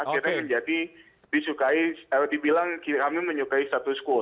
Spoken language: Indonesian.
akhirnya menjadi disukai dibilang kami menyukai status quo